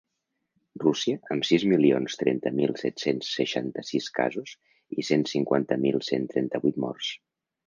Rússia, amb sis milions trenta mil set-cents seixanta-sis casos i cent cinquanta mil cent trenta-vuit morts.